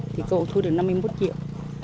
thì cô cũng thu được năm mươi một triệu